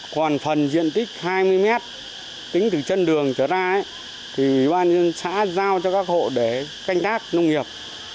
còn phần diện tích hai mươi mét tính từ chân đường trở ra thì ủy ban nhân xã giao cho các hộ để canh tác nông nghiệp